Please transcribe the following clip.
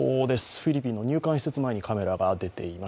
フィリピンの入管施設前にカメラが出ています。